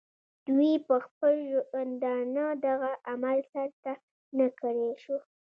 دوي پۀ خپل ژوندانۀ دغه عمل سر ته نۀ کړے شو